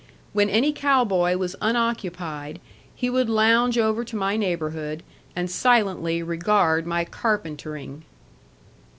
When any cow boy was unoccupied, he would lounge over to my neighborhood, and silently regard my carpentering.